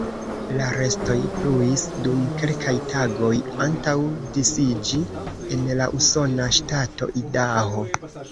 La restoj pluis dum kelkaj tagoj antaŭ disiĝi en la usona ŝtato Idaho.